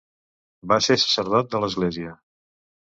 Va ser sacerdot de l’Església.